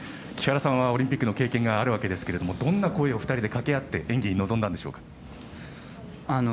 木原さんは、オリンピックの経験があるわけですがどんな声を２人でかけ合って演技に臨んだんでしょう。